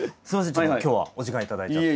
ちょっと今日はお時間頂いちゃって。